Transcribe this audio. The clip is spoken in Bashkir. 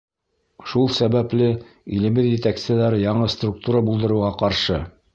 Шул сәбәпле илебеҙ етәкселәре яңы структура булдырыуға ҡаршы.